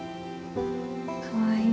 かわいい。